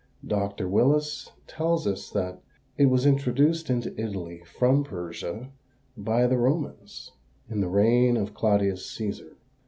Dr. Willis tells us that "it was introduced into Italy from Persia by the Romans, in the reign of Claudius Cæsar.